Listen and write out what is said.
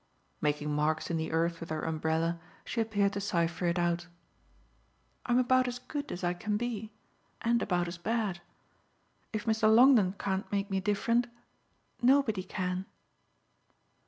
Making marks in the earth with her umbrella she appeared to cipher it out. "I'm about as good as I can be and about as bad. If Mr. Longdon can't make me different nobody can."